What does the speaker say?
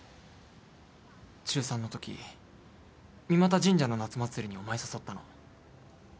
中３のとき三又神社の夏祭りにお前誘ったの。